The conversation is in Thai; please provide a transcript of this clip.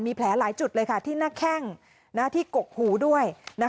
มีแผลหลายจุดเลยค่ะที่หน้าแข้งที่กกหูด้วย